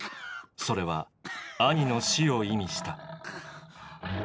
それは「兄」の死を意味した。